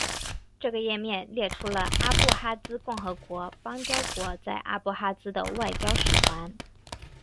这个页面列出了阿布哈兹共和国邦交国在阿布哈兹的外交使团。